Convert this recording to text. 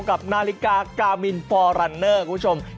กับนาฬิกากามินฟอรันเนอร์คุณผู้ชม